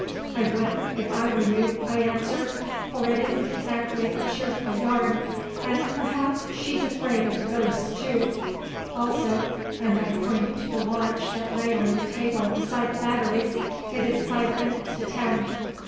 "I wouldn't if I were you," I answered, "for it isn't exactly a cheerful yarn, and perhaps she's afraid of ghosts too. Also," and I pointed to the watch that lay on the table beside the batteries, "it is five minutes to ten."